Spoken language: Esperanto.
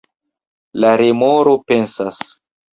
La remoro pensas: